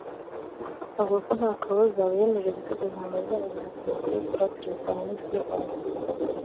avuga ko nta kabuza biyemeje gutegura intambara izabageza ku ntego yo gukuraho Perezida Nkurunziza ku ngufu